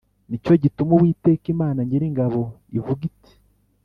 Ni cyo gituma Uwiteka Imana Nyiringabo ivuga Iti